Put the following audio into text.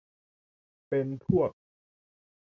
เป็นพวก